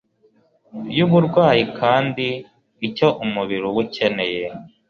y’uburwayi, kandi icyo umubiri uba ukeneye